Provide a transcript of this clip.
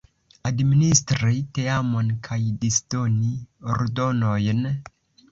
Administri teamon kaj disdoni ordonojn?